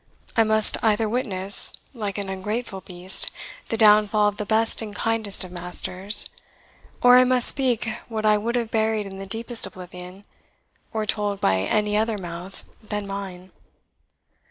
I must either witness, like an ungrateful beast, the downfall of the best and kindest of masters, or I must speak what I would have buried in the deepest oblivion, or told by any other mouth than mine."